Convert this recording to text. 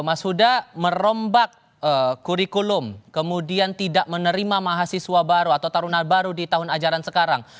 mas huda merombak kurikulum kemudian tidak menerima mahasiswa baru atau taruna baru di tahun ajaran sekarang